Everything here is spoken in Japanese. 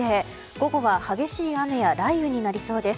午後は激しい雨や雷雨になりそうです。